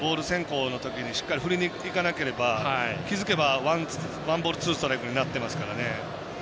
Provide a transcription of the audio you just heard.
ボール先行のときにしっかり振りにいかなければ気付けばワンボールツーストライクになってますから。